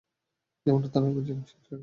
যেমনটা ধারণা করেছিলাম, সে ড্রাগ নিচ্ছে।